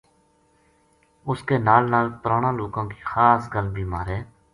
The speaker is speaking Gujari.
اس کے نال نال پرانا لوکاں کی خاص گل بھی مھارے